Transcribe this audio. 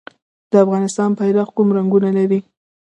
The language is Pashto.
د افغانستان بیرغ کوم رنګونه لري؟